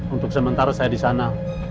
untuk sementara saya di sana